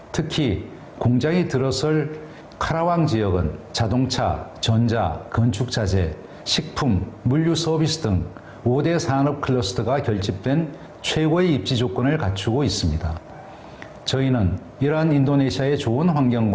terima kasih